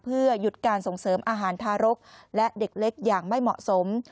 เพื่อหยุดการส่งเสริมอาหารทารกและเด็กเล็กอย่างไม่เหมาะสม